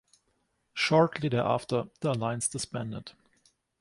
Shortly thereafter, the Alliance disbanded.